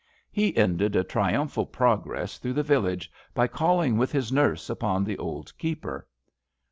He ended a triumphal progress through the village by calling, with his nurse, upon the old keeper.